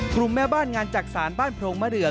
กลุ่มแม่บ้านงานจักรศาลบ้านพรงมะเรือ